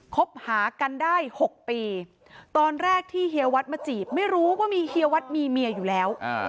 คบหากันได้๖ปีตอนแรกที่เฮียวัดมาจีบไม่รู้ว่ามีเฮียวัดมีเมียอยู่แล้ว